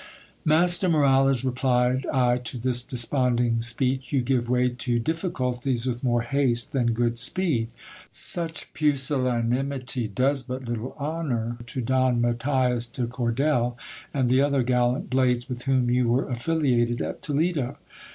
Master Moralez, replied I to this desponding speech, you give way to diffi culties with more haste than good speed. Such pusillanimity does but little honour to Don Matthias deCordel, and the other gallant blades with whom you were affiliated at Toledo.